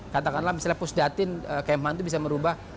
katakanlah misalnya pusdatin km han itu bisa merubah